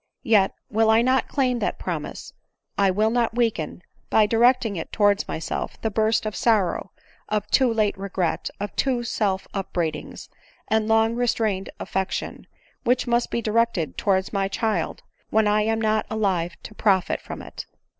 — Yet will I not claim that promise, I will not weaken, by directing it towards myself, the burst of sorrow, of too late regret, of self upbraidings, and long restrained affection, which must be directed towards my child when I am not alive to profit by it.